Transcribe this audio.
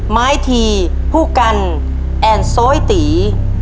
ไม้ทีผู้กันแอนโซยตี